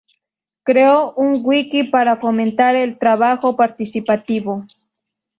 Creó un Wiki para fomentar el trabajo participativo.